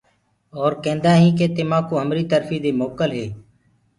اور ڪيندآ هينٚ ڪي تمآڪوُ همري ترڦيٚ دي موڪل هو۔